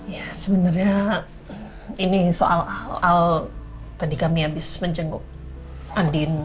ya sebenarnya ini soal tadi kami habis menjenguk andin